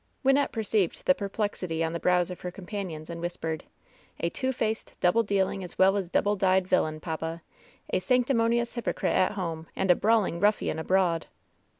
Wynnette perceived the perplexity on the brows of her companions and whispered : "A two faced, double dealing as well as double dyed, villain, papa t A sanctimonious hypocrite at home and a brawling ruffian abroad